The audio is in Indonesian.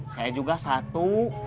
saya juga satu